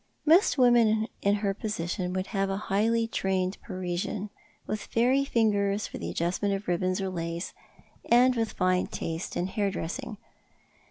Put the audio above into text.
Most women in her position would have a highly trained Parisian, with fairy fingers for the adjustment of ribbons or lace, and with fine taste in hair dressing.